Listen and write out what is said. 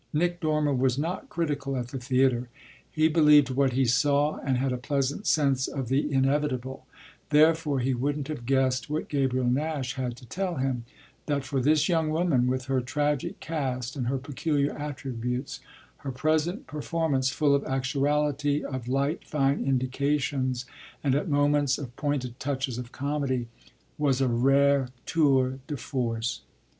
Nick Dormer was not critical at the theatre; he believed what he saw and had a pleasant sense of the inevitable; therefore he wouldn't have guessed what Gabriel Nash had to tell him that for this young woman, with her tragic cast and her peculiar attributes, her present performance, full of actuality, of light fine indications and at moments of pointed touches of comedy, was a rare tour de force.